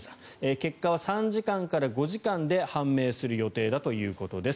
結果は３時間から５時間で判明する予定だということです。